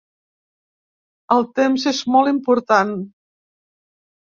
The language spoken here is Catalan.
El temps és molt important.